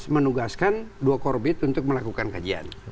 menugaskan dua korbit untuk melakukan kajian